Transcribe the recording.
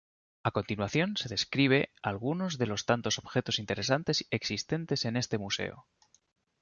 A continuación se describe algunos de los tantos objetos interesantes existentes en este Museo.